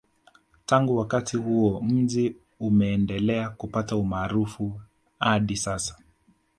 Tangu wakati huo mji umendelea kupata umaarufu hadi sasa